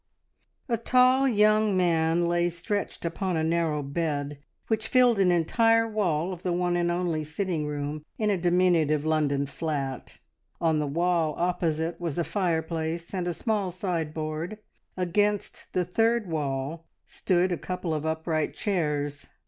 A tall young man lay stretched upon a narrow bed which filled an entire wall of the one and only sitting room in a diminutive London flat. On the wall opposite was a fireplace and a small sideboard; against the third wall stood a couple of upright chairs.